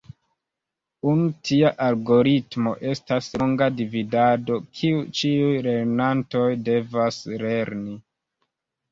Unu tia algoritmo estas longa dividado, kiu ĉiuj lernantoj devas lerni.